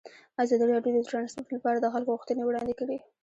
ازادي راډیو د ترانسپورټ لپاره د خلکو غوښتنې وړاندې کړي.